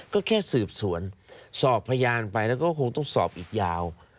ก็แค่สืบสวนสอบพยานไปแล้วก็คงต้องสอบอีกยาว